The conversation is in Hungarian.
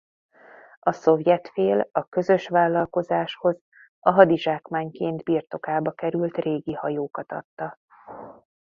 A szovjet fél a közös vállalkozáshoz a hadizsákmányként birtokába került régi hajókat adta.